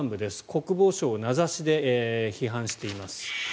国防省を名指しで批判しています